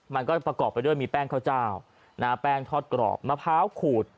ประกอบไปด้วยมีแป้งข้าวเจ้าแป้งทอดกรอบมะพร้าวขูด